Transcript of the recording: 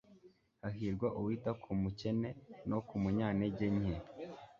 hahirwa uwita ku mukene no ku munyantege nke